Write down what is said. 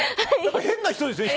変な人ですね。